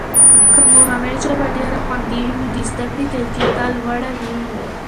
که مورنۍ ژبه ډېره خوندي وي، نو د زده کړې کیفیته لوړه وي.